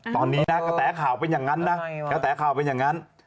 ตอนนี้นะกระแสข่าวเป็นอย่างนั้นนะ